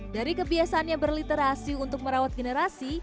dari kebiasaan yang berliterasi untuk merawat generasi